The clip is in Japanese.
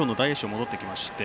戻ってきました。